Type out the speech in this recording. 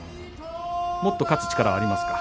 もっと勝つ力はありますか？